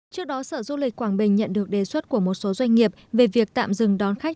trước đó sở du lịch quảng bình nhận được đề xuất của một số doanh nghiệp về việc tạm dừng đón khách